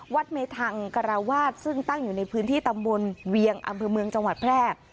เมธังกราวาสซึ่งตั้งอยู่ในพื้นที่ตำบลเวียงอำเภอเมืองจังหวัดแพร่